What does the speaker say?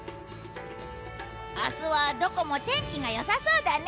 明日はどこも天気が良さそうだね。